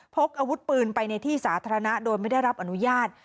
พกอาวุธปืนไปในที่สาธารณะโดยไม่ได้รับอนุญาต